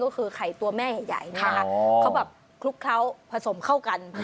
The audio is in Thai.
ก็คือไข่ตัวแม่ใหญ่ทุกคร้าวผสมเข้ากัน